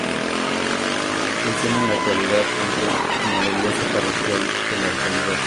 Funciona en la actualidad como la iglesia parroquial de la localidad.